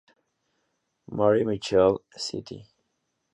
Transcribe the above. Marie Michele St.